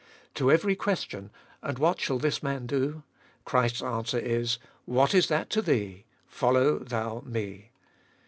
To every question, And wliat shall this man do? Christ's answer is, What is that to thee ! Follow thou Me.